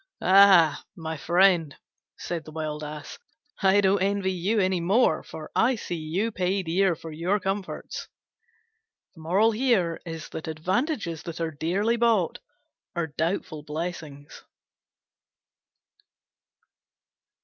"Ah, my friend," said the Wild Ass, "I don't envy you any more: for I see you pay dear for your comforts." Advantages that are dearly bought are doubtful blessings.